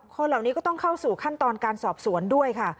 คนเหล่านี้ก็ต้องเข้าสู่ขั้นตอนการสอบสวนด้วยค่ะ